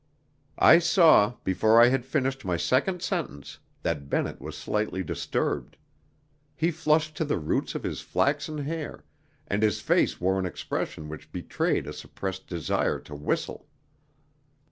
I saw before I had finished my second sentence that Bennett was slightly disturbed. He flushed to the roots of his flaxen hair, and his face wore an expression which betrayed a suppressed desire to whistle.